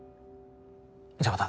じゃあまた。